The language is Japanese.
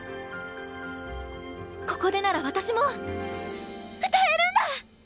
ここでなら私も歌えるんだ！